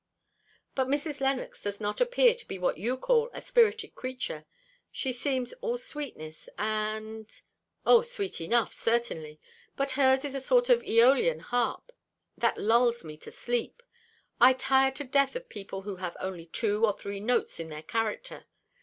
"But Mrs. Lennox does not appear to be what you call a spirited creature. She seems all sweetness, and " "Oh, sweet enough, certainly! But hers is a sort of Eolian harp, that lulls me to sleep. I tire to death of people who have only two or three notes in their character.